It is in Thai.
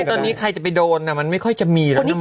ตอนนี้ใครจะไปโดนน่ะมันไม่ค่อยจะมีแล้วนะหมามุ้ย